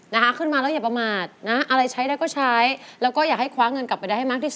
นะคะคืนมาแล้วอย่าประมาท